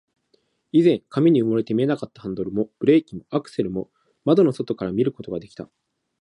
以前は紙に埋もれて見えなかったハンドルも、ブレーキも、アクセルも、窓の外から見ることができた